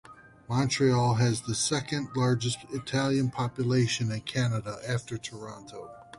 Montreal has the second largest Italian population in Canada after Toronto.